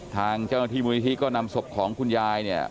ทางเจ้าหน้าที่มูลนิธิก็นำศพของคุณยายเนี่ย